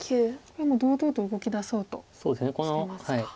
これもう堂々と動きだそうとしてますか。